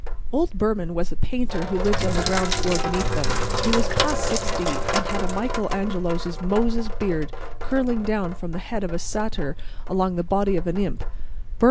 Old Behrman was a painter who lived on the ground floor beneath them. He was past sixty and had a Michael Angelo's Moses beard curling down from the head of a satyr along the body of an imp.